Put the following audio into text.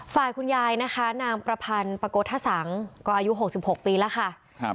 ฝ่ายคุณยายนะคะนางประพันธ์ปะโกธสังก็อายุ๖๖ปีแล้วค่ะ